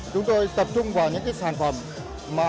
chúng tôi tập trung vào những sản phẩm